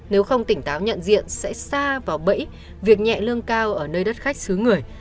nếu không tỉnh táo nhận diện sẽ xa vào bẫy việc nhẹ lương cao ở nơi đất khách xứ người